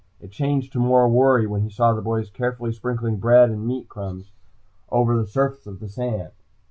It changed to more worry when he saw the boys carefully sprinkling bread and meat crumbs over the surface of the sand.